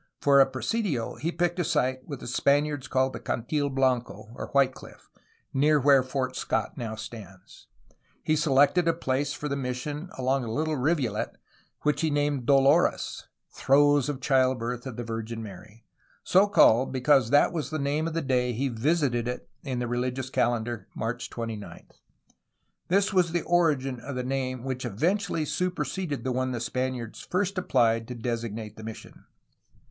For a presidio he picked a site which the Span iards called the Cantil Blanco (White Cliff), near where Fort Scott now stands. He selected a place for the mission 312 A HISTORY OF CALIFORNIA along a little rivulet, which he named Dolores (Throes of childbirth — of the Virgin Mary), — so called because that was the name of the day he visited it in the religious calen dar, March 29; this was the origin of the name which event ually superseded the one the Spaniards first apphed to designate the mission.